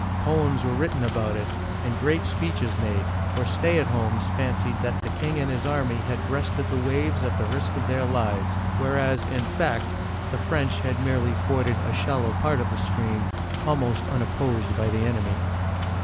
Poems were written about it, and great speeches made, for stay at homes fancied that the king and his army had breasted the waves at the risk of their lives, whereas, in fact, the French had merely forded a shallow part of the stream, almost unopposed by the enemy.